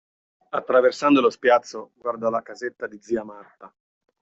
Attraversando lo spiazzo guardò la casetta di zia Marta.